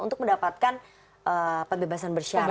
untuk mendapatkan pembebasan bersyarat